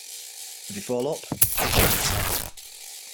If they fall up, this is the top.